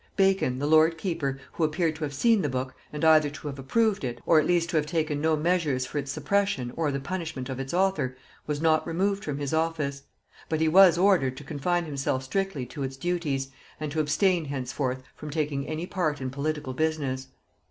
Bacon, the lord keeper, who appeared to have seen the book, and either to have approved it, or at least to have taken no measures for its suppression or the punishment of its author, was not removed from his office; but he was ordered to confine himself strictly to its duties, and to abstain henceforth from taking any part in political business.